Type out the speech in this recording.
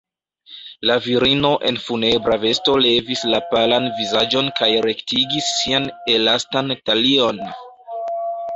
La virino en funebra vesto levis la palan vizaĝon kaj rektigis sian elastan talion.